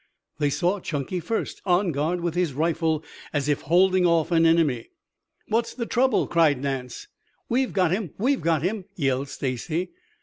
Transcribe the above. They saw Chunky first, on guard with his rifle as if holding off an enemy. "What's the trouble?" cried Nance. "We've got him! We've got him!" yelled Stacy.